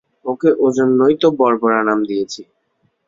ওকে ঐজন্যেই তো বর্বরা নাম দিয়েছি।